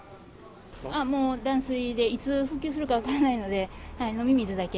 もう断水で、いつ復旧するか分からないので、飲み水だけ。